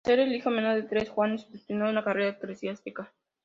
Al ser el hijo menor de tres, Juan fue destinado a una carrera eclesiástica.